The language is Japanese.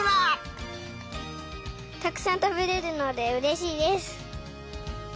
たくさんたべれるのでうれしいです！